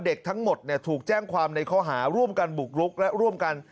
เด็กทั้งหมดถูกแจ้งความในข้อหาร่วมกันบุกรุกและร่วมกัน